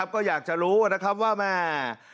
ก็อยากจะรู้นะครับว่าแม่